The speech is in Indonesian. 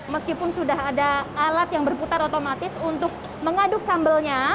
meskipun sudah ada alat yang berputar otomatis untuk mengaduk sambalnya